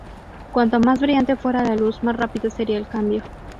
Cuanto más brillante fuera la luz, más rápido sería el cambio.